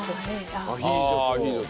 アヒージョと。